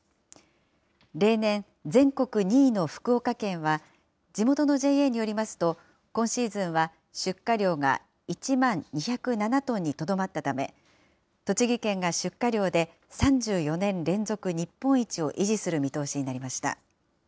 例年、全国２位の福岡県は、地元のＪＡによりますと、今シーズンは出荷量が１万２０７トンにとどまったため、栃木県が出荷量で３４年連続日本一を維持する見通しになりました。